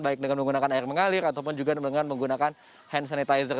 baik dengan menggunakan air mengalir ataupun juga dengan menggunakan hand sanitizer